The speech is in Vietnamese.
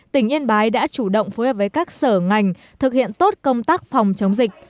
tỉnh yên bái đã chủ động phối hợp với các sở ngành thực hiện tốt công tác phòng chống dịch